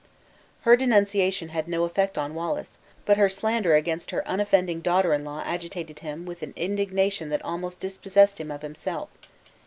Her denunciation had no effect on Wallace; but her slander against her unoffending daughter in law agitated him with an indignation that almost dispossessed him of himself.